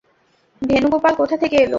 ভেনুগোপাল কোথা থেকে এলো?